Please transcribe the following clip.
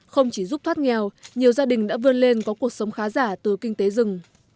không chỉ giúp thoát nghèo nhiều gia đình đã vươn lên có cuộc sống khá giả từ kinh tế rừng